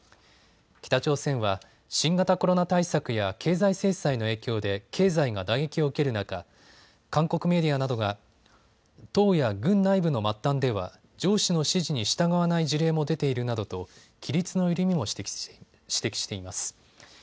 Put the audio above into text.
北朝鮮は新型コロナ対策や経済制裁の影響で経済が打撃を受ける中、韓国メディアなどが党や軍内部の末端では上司の指示に従わない事例も出ているなどと規律の緩みも指摘しています。